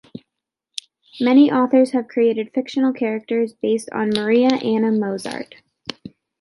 Many authors have created fictional characters based on Maria Anna Mozart.